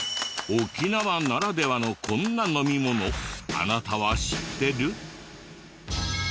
沖縄ならではのこんな飲み物あなたは知ってる？